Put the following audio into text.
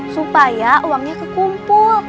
supaya uangnya kekumpul